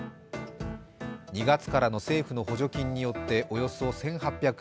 ２月からの政府の補助金によっておよそ１８００円